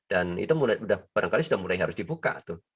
dan itu barangkali sudah mulai harus dibuka tuh